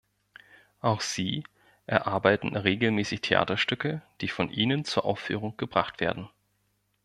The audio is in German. Auch sie erarbeiten regelmäßig Theaterstücke, die von ihnen zur Aufführung gebracht werden.